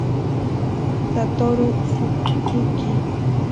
Satoru Suzuki